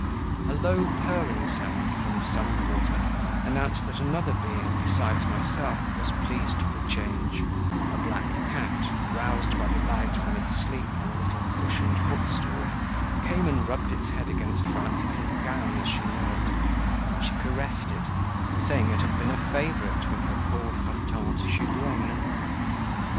A low, purring sound, from some quarter, announced that another being, besides myself, was pleased with the change; a black cat, roused by the light from its sleep on a little cushioned foot stool, came and rubbed its head against Frances' gown as she knelt; she caressed it, saying it had been a favourite with her "pauvre tante Julienne."